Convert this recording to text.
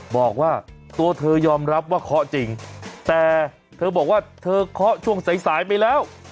บอกว่าตัวเธอยอมรับว่าเคาะจริงแต่เธอบอกว่าเธอเคาะช่วงสายสายไปแล้ว